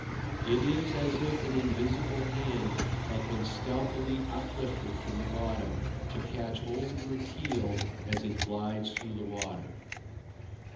It is as if an invisible hand had been stealthily uplifted from the bottom to catch hold of her keel as it glides through the water.